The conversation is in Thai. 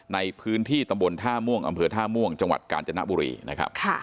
ในพื้นที่ตำบลท่าม่วงอำเภอท่าม่วงจังหวัดกาญจนบุรีนะครับ